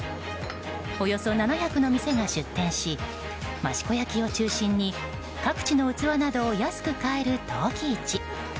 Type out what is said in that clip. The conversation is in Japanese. およそ７００の店が出店し益子焼を中心に各地の器などを安く買える陶器市。